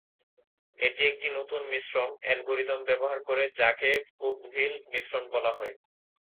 এটি একটি নতুন মিশ্রন অ্যালগরিদম ব্যবহার করে যাকে কোডভিল মিশ্রন বলা হয়।